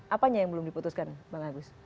apanya yang belum diputuskan bang agus